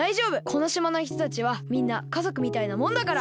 このしまのひとたちはみんなかぞくみたいなもんだから。